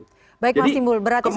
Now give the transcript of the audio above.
jadi kita harus mendorong itu